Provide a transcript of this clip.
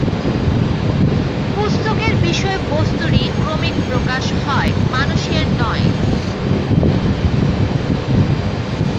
পুস্তকের বিষয়বস্তুরই ক্রমিক প্রকাশ হয়, মানুষের নয়।